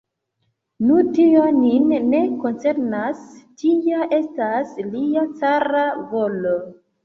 Nu, tio nin ne koncernas, tia estas lia cara volo!